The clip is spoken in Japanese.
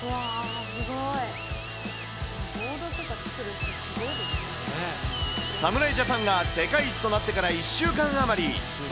ボードとか作る人、すごいで侍ジャパンが世界一となってから１週間余り。